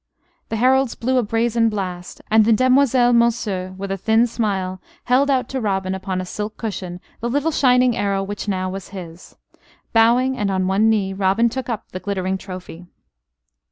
The heralds blew a brazen blast, and the demoiselle Monceux, with a thin smile, held out to Robin upon a silk cushion the little shining arrow which now was his. Bowing, and on one knee, Robin took up the glittering trophy.